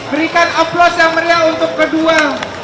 berikan aplaus yang meriah untuk kedua